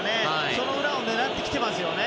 その裏を狙ってきてますよね